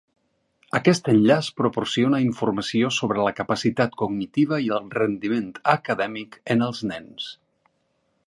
Aquest enllaç proporciona informació sobre la capacitat cognitiva i el rendiment acadèmic en els nens.